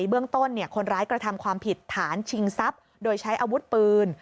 เบื้องต้นคนร้ายกระทำความผิดฐานชิงทรัพย์โดยใช้อาวุธปืน